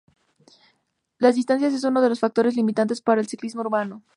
La distancia es uno de los factores limitantes para el ciclismo urbano.